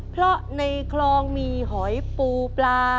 เพราะในคลองมีหอยปูปลา